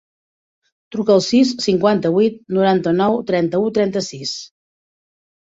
Truca al sis, cinquanta-vuit, noranta-nou, trenta-u, trenta-sis.